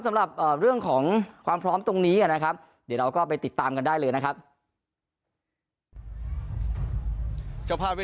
สำหรับเรื่องของความพร้อมตรงนี้อะนะครับ